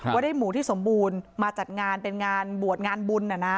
ว่าได้หมูที่สมบูรณ์มาจัดงานเป็นงานบวชงานบุญ